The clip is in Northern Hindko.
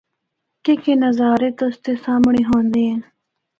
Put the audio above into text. کے کے نظارے تُسدے دے سامنڑے ہوندے ہن۔